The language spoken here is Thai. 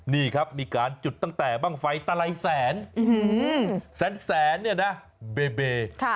นี่ครับมีการจุดตั้งแต่บ้างไฟตะไลแสนแสนเนี่ยนะเบเบ